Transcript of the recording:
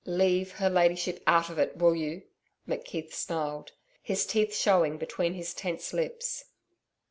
'Leave her Ladyship out of it, will you,' McKeith snarled, his teeth showing between his tense lips.